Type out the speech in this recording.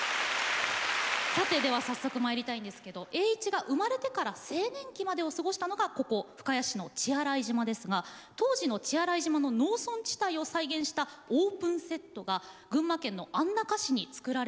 さてでは早速まいりたいんですけど栄一が生まれてから青年期までを過ごしたのがここ深谷市の血洗島ですが当時の血洗島の農村地帯を再現したオープンセットが群馬県の安中市に作られました。